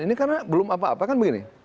ini karena belum apa apa kan begini